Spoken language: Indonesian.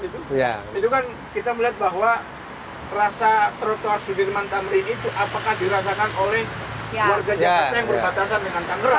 itu kan kita melihat bahwa rasa trotoar sudirman tamri itu apakah dirasakan oleh warga jakarta yang berbatasan dengan tangerang